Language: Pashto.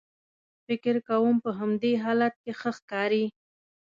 فکر کوم په همدې حالت کې ښه ښکارې.